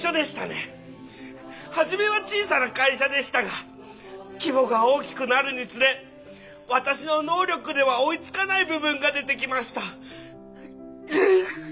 初めは小さな会社でしたが規模が大きくなるにつれ私の能力では追いつかない部分が出てきました」。